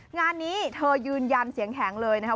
งานนี้เธอยืนยันเสียงแข็งเลยนะคะ